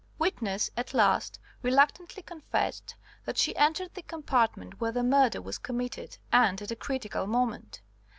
"Witness at last reluctantly confessed that she entered the compartment where the murder was committed, and at a critical moment.